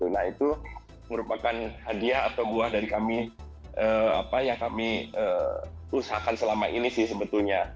nah itu merupakan hadiah atau buah dari kami yang kami usahakan selama ini sih sebetulnya